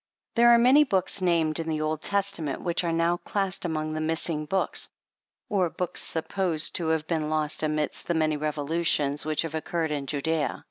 There are many books named in the Old Testament, which are now classed among the missing books, or books supposed to have been lost amidst the many revolutions which have occurred in Judea.